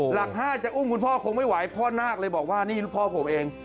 หลัก๕จะอุ้มคุณพ่อคงไม่ไหวพ่อนาคเลยบอกว่านี่พ่อผมเอง